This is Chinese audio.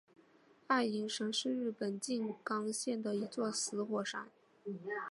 爱鹰山是日本静冈县的一座死火山。